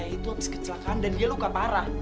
ini adalah kecelakaan dan dia luka parah